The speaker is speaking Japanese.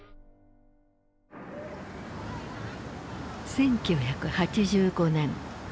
１９８５年。